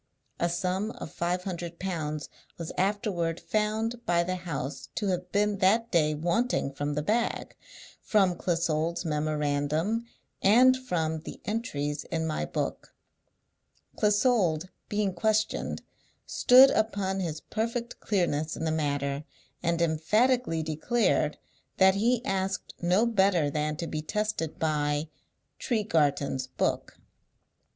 A sum of five hundred pounds was afterward found by the house to have been that day wanting from the bag, from Clissold's memorandum, and from the entries in my book. Clissold, being questioned, stood upon his perfect clearness in the matter, and emphatically declared that he asked no better than to be tested by 'Tregarthen's book.'